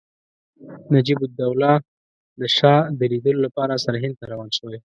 نجیب الدوله د شاه د لیدلو لپاره سرهند ته روان شوی.